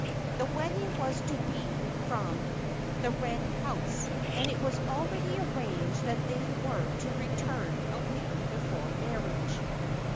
The wedding was to be from the Red House, and it was already arranged that they were to return a week before the marriage.